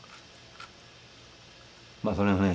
まあそれはね